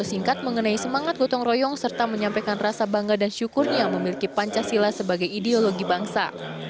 singkat mengenai semangat gotong royong serta menyampaikan rasa bangga dan syukurnya memiliki pancasila sebagai ideologi bangsa